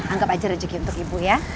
anggap aja rezeki untuk ibu ya